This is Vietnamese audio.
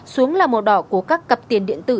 xuống là màu đỏ của các cặp tiền điện tử